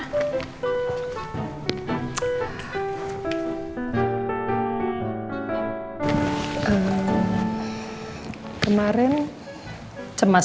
kemarin cemas setengah mati